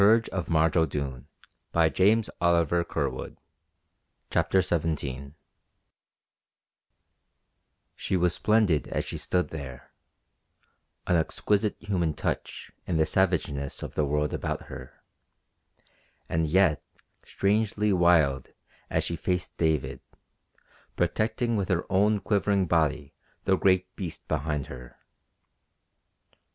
"I am Marge O'Doone," she said defiantly, "and this is my bear!" CHAPTER XVII She was splendid as she stood there, an exquisite human touch in the savageness of the world about her and yet strangely wild as she faced David, protecting with her own quivering body the great beast behind her.